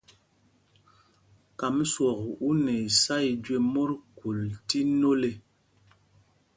Kam swɔk u nɛ isá i jüe mot khul tí nôl ê.